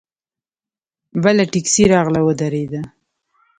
بله ټیکسي راغله ودرېده.